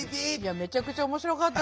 めちゃくちゃおもしろかった。